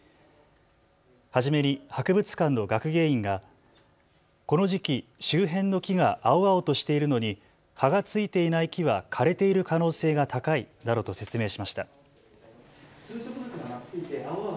初めに博物館の学芸員がこの時期、周辺の木が青々としているのに葉が付いていない木は枯れている可能性が高いなどと説明しました。